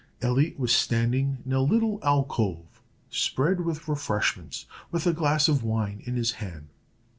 Elliot was standing in a little alcove, spread with refreshments, with a glass of wine in his hand.